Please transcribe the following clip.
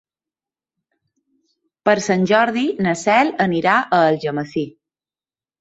Per Sant Jordi na Cel anirà a Algemesí.